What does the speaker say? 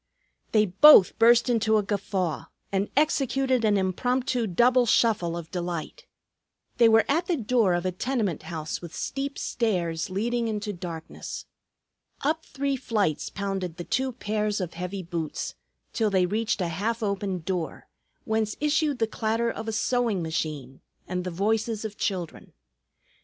They both burst into a guffaw and executed an impromptu double shuffle of delight. They were at the door of a tenement house with steep stairs leading into darkness. Up three flights pounded the two pairs of heavy boots, till they reached a half open door, whence issued the clatter of a sewing machine and the voices of children.